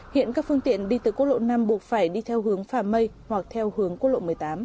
hiện các phương tiện đi từ quốc lộ năm buộc phải đi theo hướng phà mây hoặc theo hướng quốc lộ một mươi tám